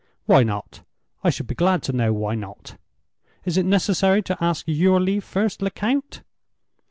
"Why not? I should be glad to know why not? Is it necessary to ask your leave first, Lecount?"